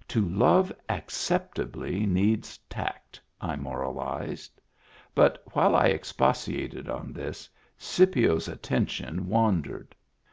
" To love acceptably needs tact," I moralized; but while I expatiated on this, Scipio's attention wandered.